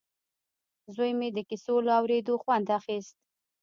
زوی مې د کیسو له اورېدو خوند اخیست